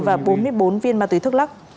và bốn mươi bốn viên ma túy thuốc lắc